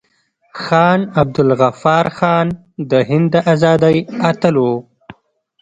خان عبدالغفار خان د هند د ازادۍ اتل و.